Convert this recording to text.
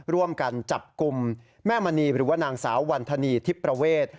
ร่วมกันจับกลุ่มแม่มณีหรือว่านางสาววันธนีทิพประเวท